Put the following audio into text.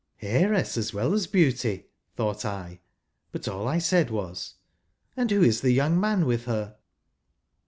" Heiress, as well as beauty," thought I ; but all I said was, " And who is the young man with her